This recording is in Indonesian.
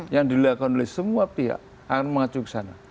yang dilihatkan oleh semua pihak akan masuk ke sana